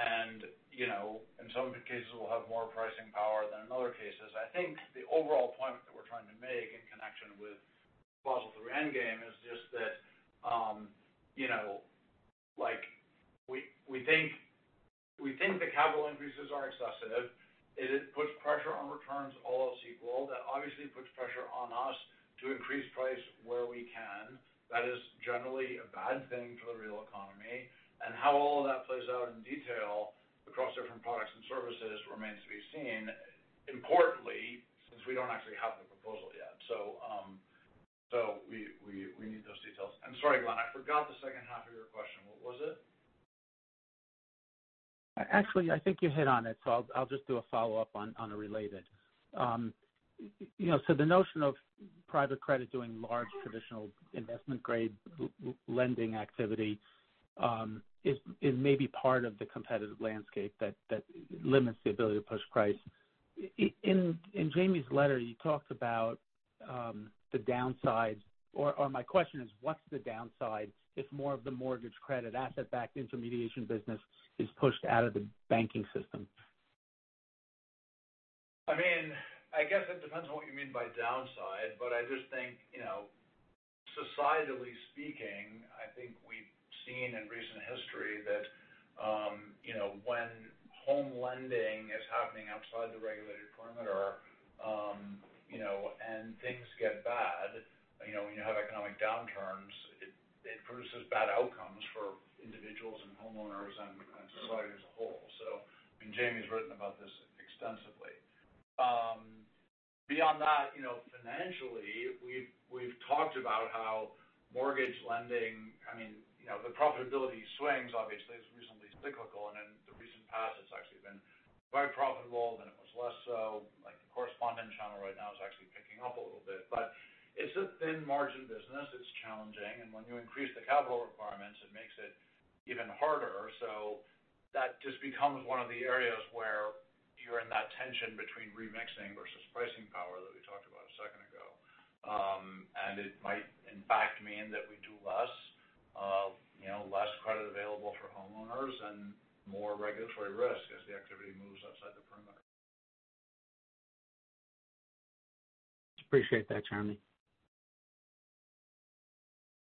And, you know, in some cases, we'll have more pricing power than in other cases. I think the overall point that we're trying to make in connection with Basel III endgame is just that, you know, like, we think the capital increases are excessive. It puts pressure on returns all else equal. That obviously puts pressure on us to increase price where we can. That is generally a bad thing for the real economy, and how all of that plays out in detail across different products and services remains to be seen. Importantly, since we don't actually have the proposal yet. We need those details. I'm sorry, Glenn, I forgot the second half of your question. What was it? Actually, I think you hit on it, so I'll just do a follow-up on a related. You know, the notion of private credit doing large traditional investment grade lending activity is, it may be part of the competitive landscape that limits the ability to push price. In Jamie's letter, you talked about the downsides or my question is, what's the downside if more of the mortgage credit asset-backed intermediation business is pushed out of the banking system? I mean, I guess it depends on what you mean by downside, but I just think, you know, societally speaking, I think we've seen in recent history that, you know, when home lending is happening outside the regulated perimeter, you know, and things get bad, you know, when you have economic downturns, it produces bad outcomes for individuals and homeowners and society as a whole. Jamie's written about this extensively. Beyond that, you know, financially, we've talked about how mortgage lending, I mean, you know, the profitability swings, obviously, is reasonably cyclical, and in the recent past, it's actually been quite profitable, then it was less so. Like, the correspondent channel right now is actually picking up a little bit. It's a thin margin business. It's challenging, and when you increase the capital requirements, it makes it even harder. That just becomes one of the areas where you're in that tension between remixing versus pricing power that we talked about a second ago. It might, in fact, mean that we do less, you know, less credit available for homeowners and more regulatory risk as the activity moves outside the perimeter. Appreciate that, Jeremy.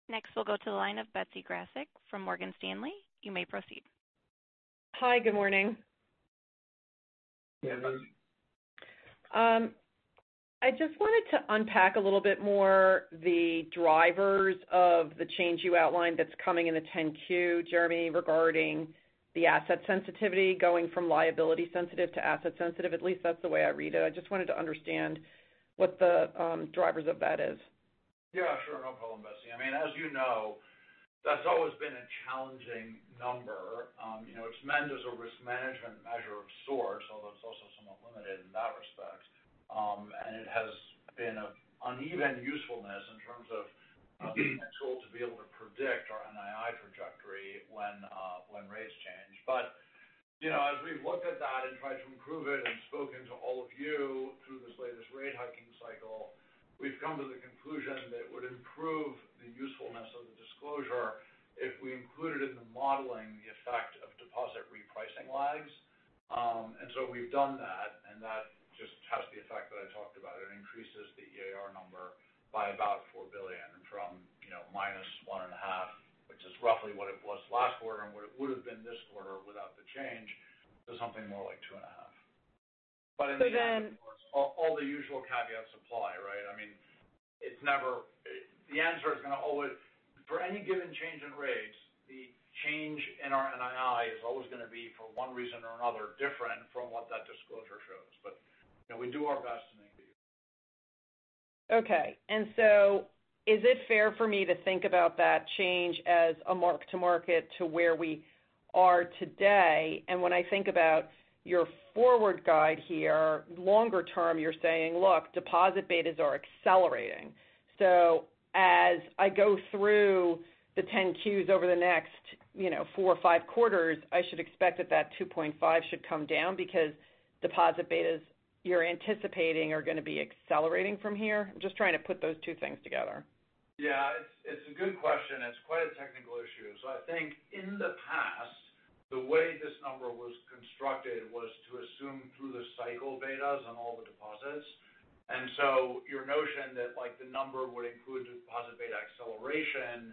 Next, we'll go to the line of Betsy Graseck from Morgan Stanley. You may proceed. Hi, good morning. Hi, Betsy. I just wanted to unpack a little bit more the drivers of the change you outlined that's coming in the 10-Q, Jeremy, regarding the asset sensitivity going from liability sensitive to asset sensitive. At least that's the way I read it. I just wanted to understand what the drivers of that is? Yeah, sure. No problem, Betsy. I mean, as you know, that's always been a challenging number. You know, it's meant as a risk management measure of sorts, although it's also somewhat limited in that respect. It has been of uneven usefulness in terms of the potential to be able to predict our NII trajectory when rates change. You know, as we've looked at that and tried to improve it and spoken to all of you through this latest rate hiking cycle, we've come to the conclusion that it would improve the usefulness of the disclosure if we included in the modeling the effect of deposit repricing lags. We've done that, and that just has the effect that I talked about. It increases the EAR number by about $4 billion from, you know, negative $1.5 billion, which is roughly what it was last quarter and what it would have been this quarter without the change, to something more like two and a half. So then. All the usual caveats apply, right? I mean, the answer is going to always, for any given change in rates, the change in our NII is always going to be, for one reason or another, different from what that disclosure shows. You know, we do our best to make the use. Okay. Is it fair for me to think about that change as a mark to market to where we are today? When I think about your forward guide here, longer term, you're saying, "Look, deposit betas are accelerating." As I go through the 10-Qs over the next, you know, four or five quarters, I should expect that that 2.5 should come down because deposit betas you're anticipating are going to be accelerating from here? I'm just trying to put those two things together. Yeah, it's a good question. It's quite a technical issue. I think in the past, the way this number was constructed was to assume through the cycle betas on all the deposits. Your notion that, like, the number would include deposit beta acceleration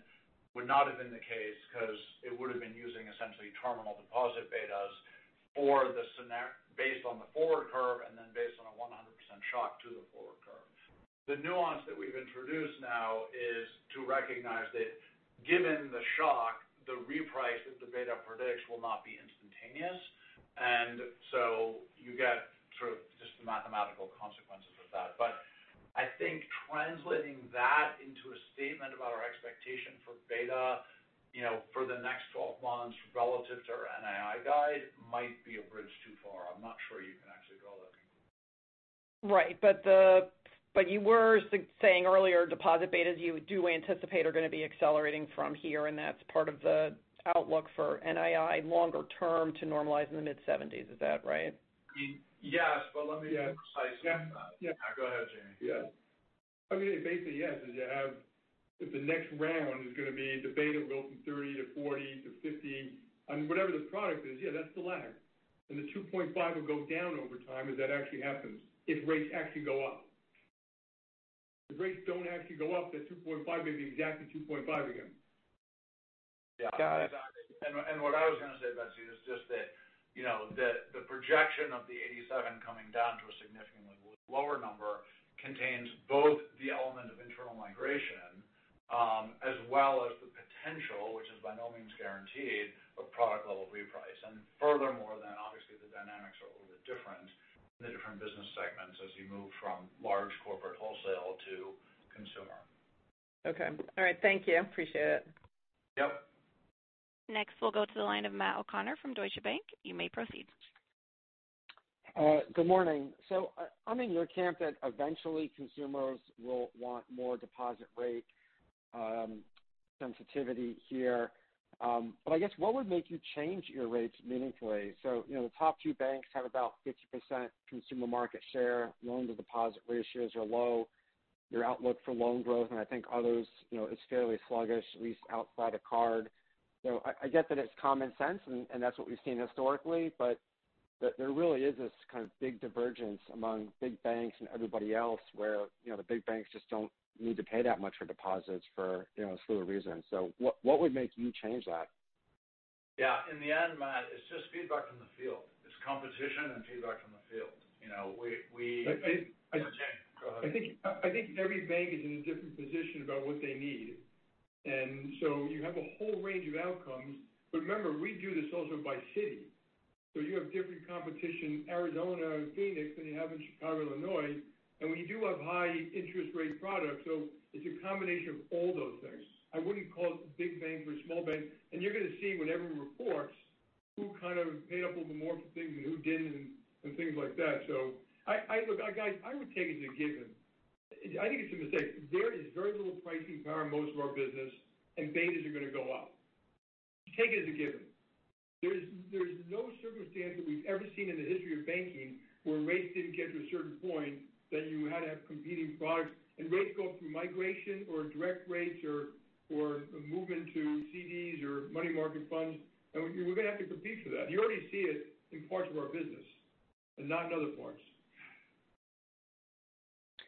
would not have been the case, 'cause it would have been using essentially terminal deposit betas based on the forward curve and then based on a 100% shock to the forward curve. The nuance that we've introduced now is to recognize that given the shock, the reprice that the beta predicts will not be instantaneous, and so you get sort of just the mathematical consequences of that. I think translating that into a statement about our expectation for beta, you know, for the next 12 months relative to our NII guide, might be a bridge too far. I'm not sure yet. Right, you were saying earlier, deposit betas you do anticipate are going to be accelerating from here, that's part of the outlook for NII longer term to normalize in the mid-seventies. Is that right? Yes, but let me be precise. Yeah. Go ahead, Jamie. Yes. I mean, basically, yes, is you have if the next round is going to be the beta will go from 30 to 40 to 50, I mean, whatever the product is, yeah, that's the lag. The 2.5 will go down over time as that actually happens, if rates actually go up. If rates don't actually go up, that 2.5 may be exactly 2.5 again. Got it. What I was going to say, Betsy, is just that, you know, that the projection of the 87 coming down to a significantly lower number contains both the element of internal migration, as well as the potential, which is by no means guaranteed, but product level reprice. Furthermore, then obviously the dynamics are a little bit different in the different business segments as you move from large corporate wholesale to consumer. Okay. All right, thank you. Appreciate it. Yep. Next, we'll go to the line of Matt O'Connor from Deutsche Bank. You may proceed. Good morning. I'm in your camp that eventually consumers will want more deposit rate sensitivity here. I guess what would make you change your rates meaningfully? You know, the top 2 banks have about 50% consumer market share. Loan to deposit ratios are low. Your outlook for loan growth, and I think others, you know, is fairly sluggish, at least outside of card. I get that it's common sense, and that's what we've seen historically, but there really is this kind of big divergence among big banks and everybody else where, you know, the big banks just don't need to pay that much for deposits for, you know, a slew of reasons. What would make you change that? In the end, Matt, it's just feedback from the field. It's competition and feedback from the field. You know. I think. Go ahead. I think every bank is in a different position about what they need. You have a whole range of outcomes. Remember, we do this also by city. You have different competition, Arizona and Phoenix, than you have in Chicago, Illinois. We do have high interest rate products, so it's a combination of all those things. I wouldn't call it a big bank or a small bank, and you're going to see when everyone reports who kind of paid up a little more for things and who didn't, and things like that. I, look, guys, I would take it as a given. I think it's a mistake. There is very little pricing power in most of our business, and betas are going to go up. Take it as a given. There's no circumstance that we've ever seen in the history of banking where rates didn't get to a certain point, that you had to have competing products and rates go up through migration or direct rates or a move into CDs or money market funds, and we're going to have to compete for that. You already see it in parts of our business and not in other parts.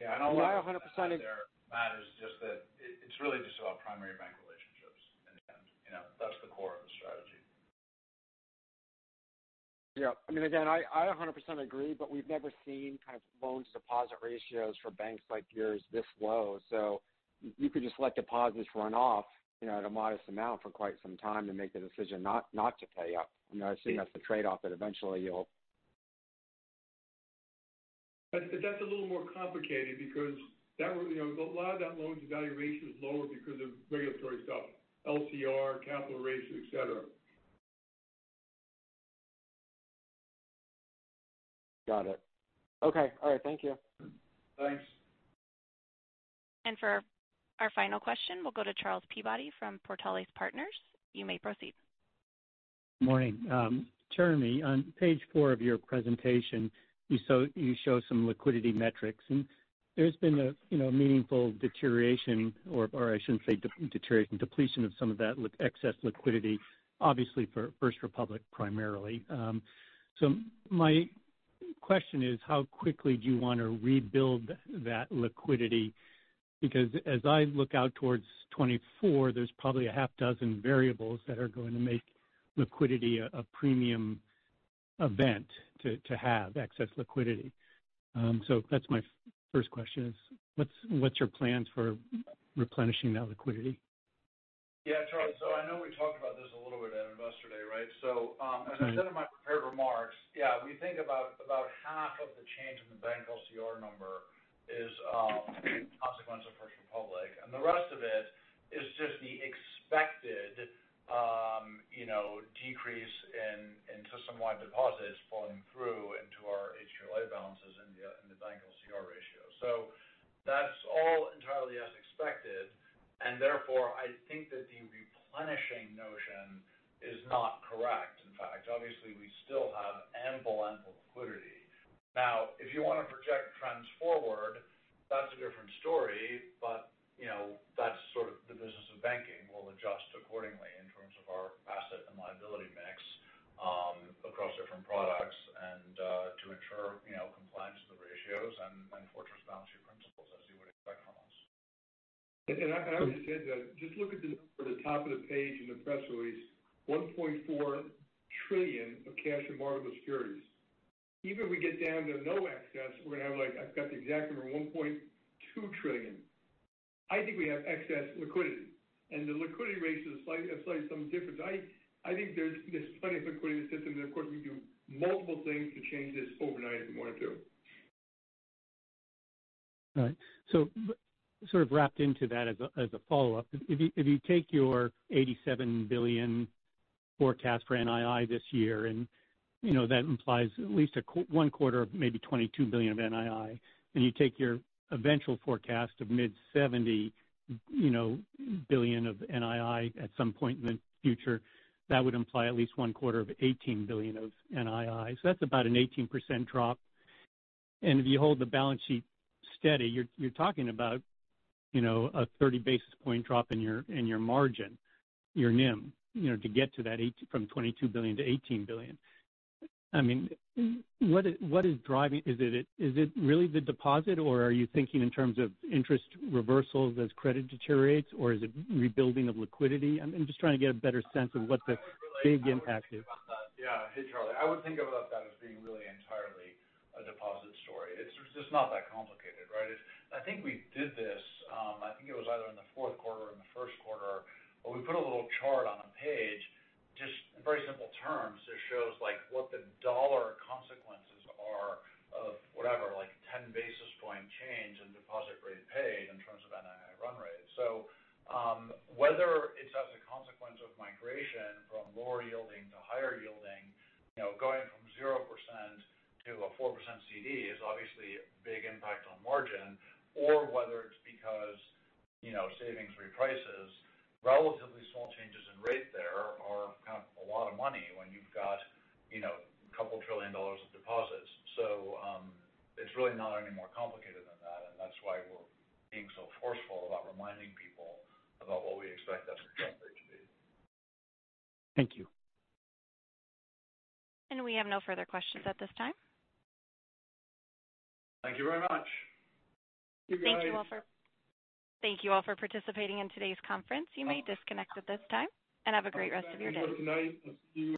Yeah, and I'll add there, Matt, is just that it's really just about primary bank relationships, and, you know, that's the core of the strategy. Yeah. I mean, again, I 100% agree, we've never seen kind of loan to deposit ratios for banks like yours this low. You could just let deposits run off, you know, at a modest amount for quite some time to make the decision not to pay up. You know, I see that's the trade-off, that eventually you'll... that's a little more complicated because you know, a lot of that loans to value ratio is lower because of regulatory stuff, LCR, capital ratios, et cetera. Got it. Okay. All right, thank you. Thanks. For our final question, we'll go to Charles Peabody from Portales Partners. You may proceed. Morning. Jeremy, on page four of your presentation, you show some liquidity metrics, and there's been a, you know, meaningful deterioration or I shouldn't say deterioration, depletion of some of that excess liquidity, obviously, for First Republic, primarily. My question is how quickly do you want to rebuild that liquidity? Because as I look out towards 2024, there's probably a half dozen variables that are going to make liquidity a premium event to have excess liquidity. That's my first question is: What's your plans for replenishing that liquidity? Yeah, Charles, I know we talked about this a little bit at Investor Day, right? As I said in my prepared remarks, yeah, we think about half of the change in the bank LCR number is consequence of First Republic, and the rest of it is just the expected, you know, decrease in system-wide deposits falling through into our HQLA balances in the bank LCR ratio. That's all entirely as expected, and therefore, I think that the replenishing notion is not correct. In fact, obviously, we still have ample liquidity. Now, if you want to project trends forward, that's a different story, but, you know, that's sort of the business of banking. We'll adjust accordingly in terms of our asset and liability mix, across different products and to ensure, you know, compliance with the ratios and fortress balance sheet principles, as you would expect from us. I would just add that just look at the number at the top of the page in the press release, $1.4 trillion of cash and marketable securities. Even if we get down to no excess, we're going to have like, I've got the exact number, $1.2 trillion. I think we have excess liquidity, and the liquidity ratio is slightly something different. I think there's plenty of liquidity in the system, and of course, we can do multiple things to change this overnight if we wanted to. All right. Sort of wrapped into that as a follow-up, if you, if you take your $87 billion forecast for NII this year, and, you know, that implies at least one quarter of maybe $22 billion of NII, and you take your eventual forecast of mid $70 billion of NII at some point in the future, that would imply at least one quarter of $18 billion of NII. That's about an 18% drop. If you hold the balance sheet steady, you're talking about, you know, a 30 basis point drop in your, in your margin, your NIM, you know, to get to that from $22 billion to $18 billion. I mean, what is driving? Is it really the deposit, or are you thinking in terms of interest reversals as credit deteriorates, or is it rebuilding of liquidity? I'm just trying to get a better sense of what the big impact is. Yeah. Hey, Charlie, I would think about that as being really entirely a deposit story. It's just not that complicated, right? I think we did this, I think it was either in the fourth quarter or in the first quarter, but we put a little chart on a page, just in very simple terms, that shows like what the dollar consequences are of whatever, like 10 basis point change in deposit rate paid in terms of NII run rate. Whether it's as a consequence of migration from lower yielding to higher yielding, you know, going from 0% to a 4% CD is obviously a big impact on margin, or whether it's because, you know, savings reprices, relatively small changes in rate there are kind of a lot of money when you've got, you know, a couple trillion dollars of deposits. it's really not any more complicated than that. That's why we're being so forceful about reminding people about what we expect that spread rate to be. Thank you. We have no further questions at this time. Thank you very much. Thank you all for participating in today's conference. You may disconnect at this time. Have a great rest of your day. Thank you for tonight.